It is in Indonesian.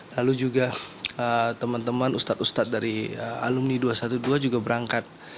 lalu juga teman teman ustadz ustadz dari alumni dua ratus dua belas juga berangkat